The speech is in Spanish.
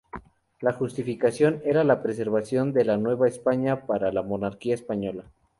La justificación era la preservación de la Nueva España para la monarquía española.